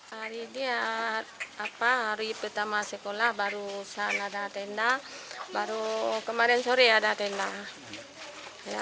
hari pertama sekolah baru sana ada tenda baru kemarin sore ada tenda